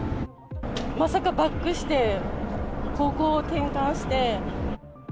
まさかバックして、方向転換して。